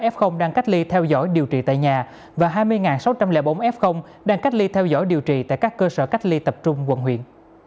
tám mươi ba sáu trăm bốn mươi ba f đang cách ly theo dõi điều trị tại nhà và hai mươi sáu trăm linh bốn f đang cách ly theo dõi điều trị tại các cơ sở cách ly tập trung quận huyện